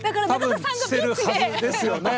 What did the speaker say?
多分してるはずですよね。